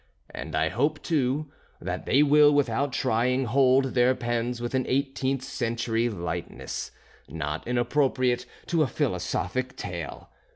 And I hope, too, that they will without trying hold their pens with an eighteenth century lightness, not inappropriate to a philosophic tale.